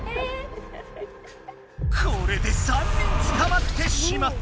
これで３人つかまってしまった！